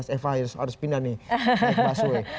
eva harus pindah nih harus masuk